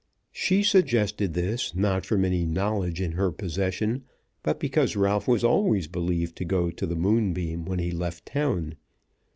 She suggested this, not from any knowledge in her possession, but because Ralph was always believed to go to the Moonbeam when he left town.